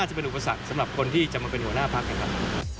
จะเป็นอุปสรรคสำหรับคนที่จะมาเป็นหัวหน้าพักนะครับ